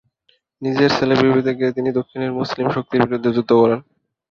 নিজের ছেলের বিপরীতে গিয়ে তিনি দক্ষিণের মুসলিম শক্তির বিরুদ্ধে যুদ্ধ করেন।